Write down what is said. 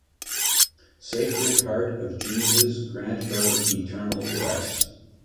Sacred Heart of Jesus grant her eternal rest.